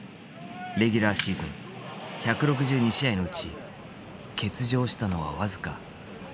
レギュラーシーズン１６２試合のうち欠場したのは僅か４試合だった。